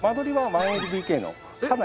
１ＬＤＫ？